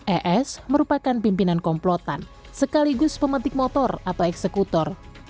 es merupakan pimpinan komplotan sekaligus pemetik motor atau eksekutor